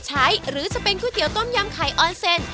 หรือจะเป็นก๋วยเตี๋ต้มยำไข่ออนเซ็น